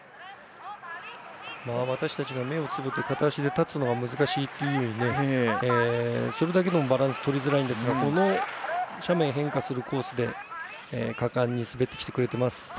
私たちが目をつむって片足で立つのが難しいって中でそれだけでもバランスとりづらいんですがこの斜面変化するコースで果敢に滑ってきてくれています。